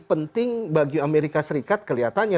penting bagi amerika serikat kelihatannya